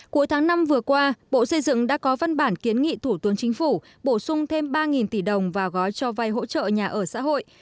cuối tháng năm vừa qua bộ xây dựng đã có văn bản kiến nghị thủ tướng chính phủ bổ sung thêm ba tỷ đồng vào gói cho vay hỗ trợ nhà ở xã hội